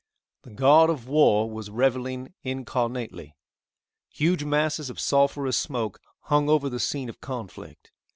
The god of war was reveling incarnately. Huge masses of sulphurous smoke hung over the scene of conflict.